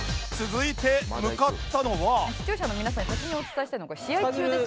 「視聴者の皆さんに先にお伝えしたいのはこれ試合中ですよね」